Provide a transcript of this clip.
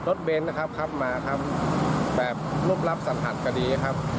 ลดเบนนะครับมาทำรูปรับศัฒนาฏก็ดีครับ